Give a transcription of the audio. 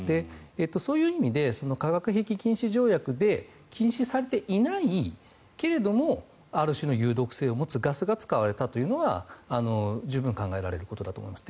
そういう意味で化学兵器禁止条約で禁止されていないけれどもある種の有毒性を持つガスが使われたというのは十分考えられることだと思います。